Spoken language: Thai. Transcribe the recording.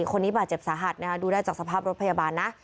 คนนี้บาดเจ็บสาหัสนะคะดูได้จากสภาพรถพยาบาลนะ